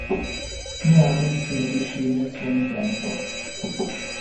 Neame infine riuscì nel suo intento.